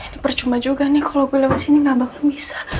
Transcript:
ini percuma juga nih kalo gue lewat sini gak bakal bisa